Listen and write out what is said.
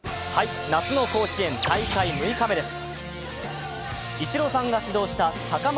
夏の甲子園、大会６日目です。